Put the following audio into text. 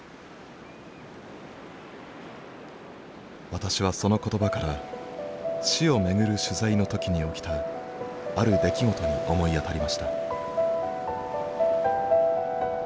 私はその言葉から死を巡る取材の時に起きたある出来事に思い当たりました。